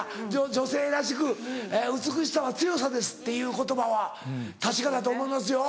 女性らしく「美しさは強さです」っていう言葉は確かだと思いますよ